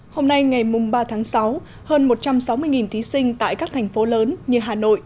hôm nay ngày ba tháng sáu hơn một trăm sáu mươi thí sinh tại các thành phố lớn như hà nội